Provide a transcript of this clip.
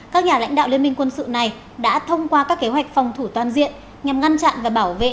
các nhà lãnh đạo liên minh quân sự này đã thông qua các kế hoạch phòng thủ toàn diện nhằm ngăn chặn và bảo vệ